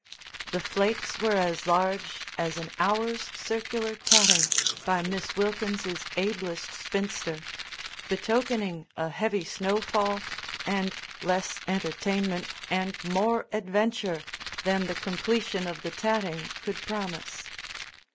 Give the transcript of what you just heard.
The flakes were as large as an hour's circular tatting by Miss Wilkins's ablest spinster, betokening a heavy snowfall and less entertainment and more adventure than the completion of the tatting could promise.